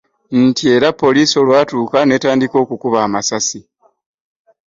Nti era poliisi olwatuuse n'etandika okukuba amasasi